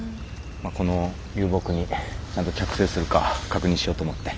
この流木にちゃんと着生するか確認しようと思って。